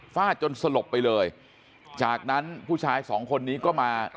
ฟาดจนสลบไปเลยจากนั้นผู้ชายสองคนนี้ก็มา